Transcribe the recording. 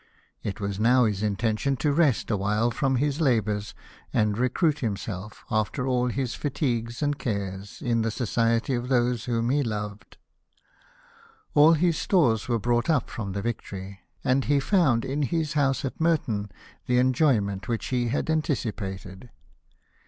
It was now his intention to rest awhile from his labours, and recruit himself, after all his fatigues and cares, in the society of those whom he loved. All his stores were brought up from the Victory, and he found in his house at Merton the enjoyment which he had anticipated.